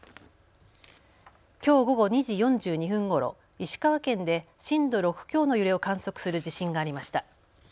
きょう午後２時４２分ごろ、石川県で震度６強の揺れを観測する地震がありました。